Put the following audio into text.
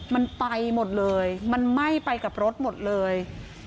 มันไปหมดเลยมันไหม้ไปกับรถหมดเลย